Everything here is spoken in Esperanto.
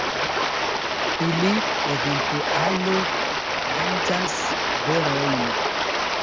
Ili eventuale manĝas berojn.